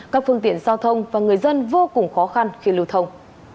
các phương tiện giao thông và người dân vô cùng khó khăn khi lưu thông